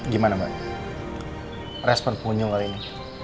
gimana mbak resperpunyung kali ini